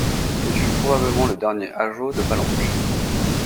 Il fut probablement le dernier ajaw de Palenque.